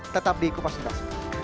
tetap di kupasuntas